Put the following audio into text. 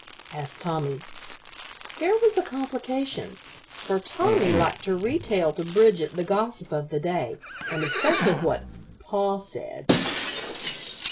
asked Tommy. Here was a complication, for Tommy liked to retail to Bridget the gossip of the day, and especially what "pa said."